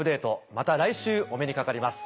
また来週お目にかかります。